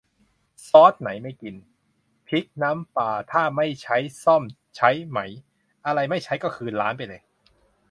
ซอสไหนไม่กิน พริกน้ำปลาถ้าไม่ใช้ ส้อมใช้ไหม อะไรไม่ใช้ก็คืนร้านไปเลย